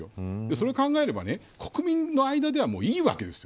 それを考えれば国民の間ではもう、いいわけですよ